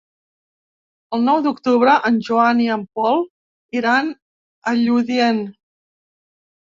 El nou d'octubre en Joan i en Pol iran a Lludient.